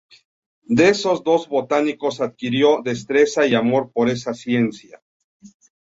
De esos dos botánicos adquirió destreza y amor por esa ciencia.